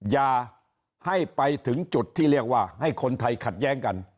อย่าให้ไปถึงจุดที่เรียกว่าให้คนไทยขัดแย้งกัน